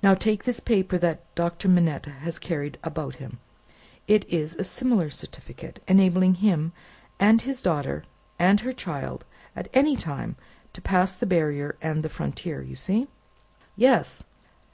Now, take this paper that Doctor Manette has carried about him. It is a similar certificate, enabling him and his daughter and her child, at any time, to pass the barrier and the frontier! You see?" "Yes!"